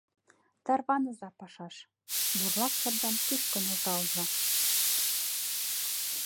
Тарваныза пашаш, бурлак чапдам кӱшкӧ нӧлталза.